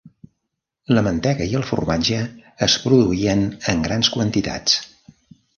La mantega i el formatge es produïen en grans quantitats.